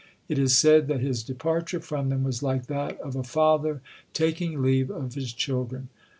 It is said that his departure from them was like that of a father taking leave of his children.